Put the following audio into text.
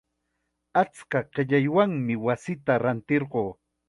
Achka qillaywanmi wasita rantirquu.